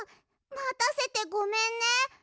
またせてごめんね！